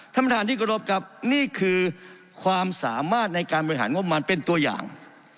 ท่านประธานที่กรบครับนี่คือความสามารถในการบริหารงบประมาณเป็นตัวอย่าง